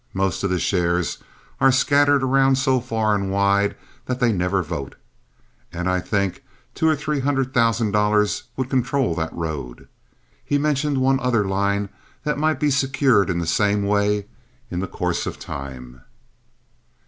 Most of the shares are scattered around so far and wide that they never vote, and I think two or three hundred thousand dollars would control that road." He mentioned one other line that might be secured in the same way in the course of time.